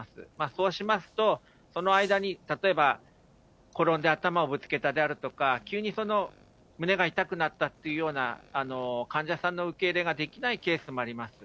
そうしますと、その間に例えば、転んで頭ぶつけたであるとか、急に胸が痛くなったというような患者さんの受け入れができないケースもあります。